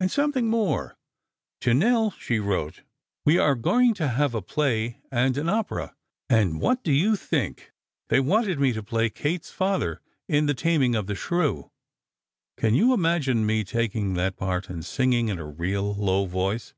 And something more: to Nell she wrote: We are going to have a play and an opera, and what do you think, they wanted me to play Kate's father in "The Taming of the Shrew." Can you imagine me taking that part and singing in a real low voice?